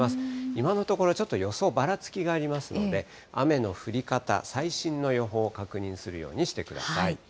今のところちょっと予想、ばらつきがありますので、雨の降り方、最新の予報を確認するようにしてください。